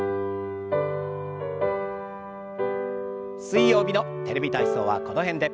水曜日の「テレビ体操」はこの辺で。